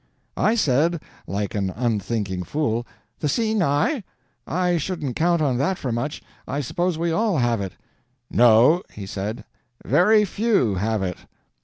I said, like an unthinking fool, 'The seeing eye?—I shouldn't count on that for much—I suppose we all have it.' 'No,' he said; 'very few have it.'